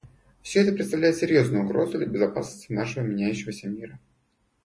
Все это представляет серьезную угрозу для безопасности нашего меняющегося мира.